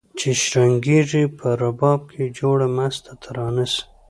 چي شرنګیږي په رباب کي جوړه مسته ترانه سي